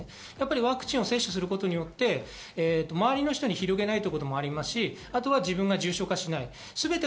ワクチンは接種することによって周りの方に広げないということもありますし、自分も重症化しない。